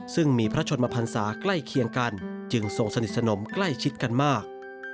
ซึ่งมีพระชนมพันศาใกล้เคียงกันจึงทรงสนิทสนมใกล้ชิดกันมาก